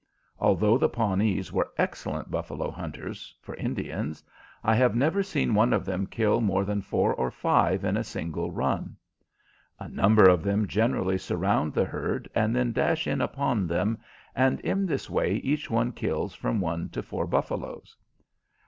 Although the Pawnees were excellent buffalo hunters, for Indians, I have never seen one of them kill more than four or five in a single run. A number of them generally surround the herd and then dash in upon them, and in this way each one kills from one to four buffaloes.